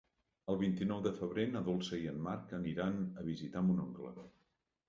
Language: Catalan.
El vint-i-nou de febrer na Dolça i en Marc aniran a visitar mon oncle.